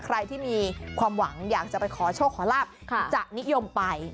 ใครที่มีความหวังอยากจะไปขอโชคขอลาบจะนิยมไป